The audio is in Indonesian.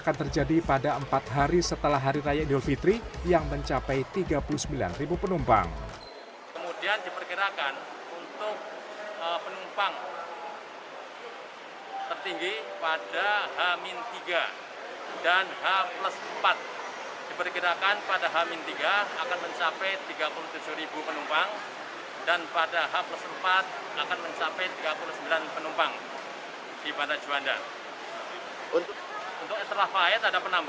untuk israel fahed ada penambahan dari air asia dan super air jet